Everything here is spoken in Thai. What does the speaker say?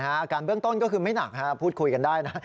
อาการเบื้องต้นก็คือไม่หนักพูดคุยกันได้นะ